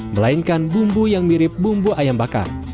melainkan bumbu yang mirip bumbu ayam bakar